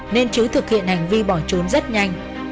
nên chứ thực hiện hành vi bỏ trốn rất nhanh